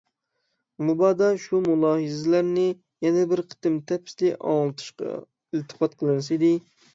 مۇبادا شۇ مۇلاھىزىلەرنى يەنە بىر قېتىم تەپسىلىي ئاڭلىتىشقا ئىلتىپات قىلىنسا ئىدى.